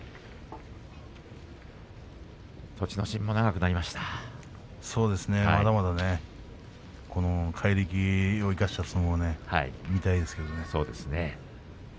まだまだ怪力を生かした相撲を見たいですけどね。